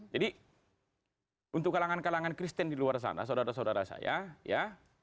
jadi untuk kalangan kalangan kristen di luar sana saudara saudara saya ya